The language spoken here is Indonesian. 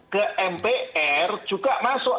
ke mpr juga masuk